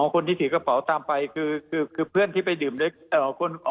คนที่ถือกระเป๋าตามไปคือเพื่อนที่ไปดื่มด้วย